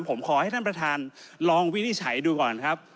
ผมขอให้ท่านประธานลองวินิจฉัยดูก่อนครับ